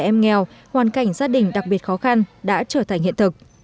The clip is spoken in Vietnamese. các em nghèo hoàn cảnh gia đình đặc biệt khó khăn đã trở thành hiện thực